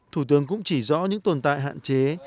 thủ tướng cũng chỉ rõ những tồn tại hạn chế